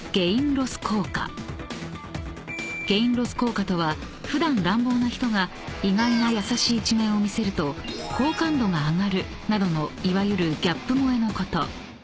［ゲインロス効果とは普段乱暴な人が意外な優しい一面を見せると好感度が上がるなどのいわゆるギャップ萌えのこと］